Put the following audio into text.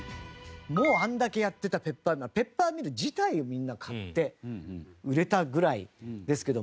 もうあんだけやってたペッパーミルペッパーミル自体をみんな買って売れたぐらいですけど。